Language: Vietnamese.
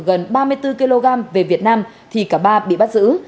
gần ba mươi bốn kg về việt nam thì cả ba bị bắt giữ